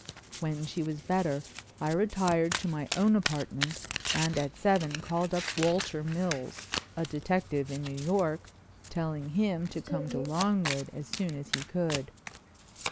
When she was better I retired to my own apartment and at seven called up Walter Mills, a detective in New York, telling him to come to Longwood as soon as he could.